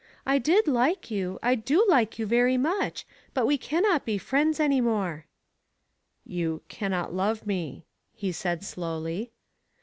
I did like you, I do like you very much, but we cannot be friends any more.*' "You cannot love me," he said slowly.